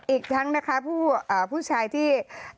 อีกทั้งนะคะผู้ชายที่